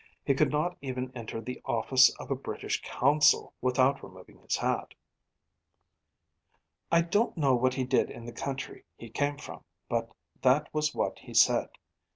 He could not even enter the office of a British consul without removing his hat.' 'I don't know what he did in the country he came from. But that was what he said.